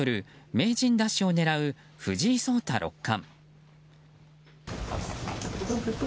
名人奪取を狙う藤井聡太六冠。